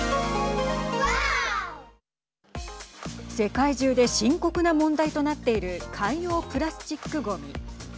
世界中で深刻な問題となっている海洋プラスチックごみ。